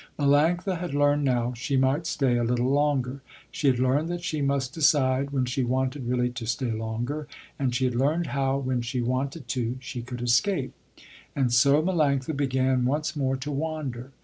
Melanctha had learned how she might stay a little longer; she had learned that she must decide when she wanted really to stay longer, and she had learned how when she wanted to, she could escape. And so Melanctha began once more to wander.